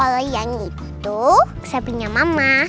oleh yang itu saya punya mama